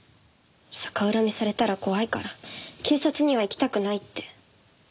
逆恨みされたら怖いから警察には行きたくないって。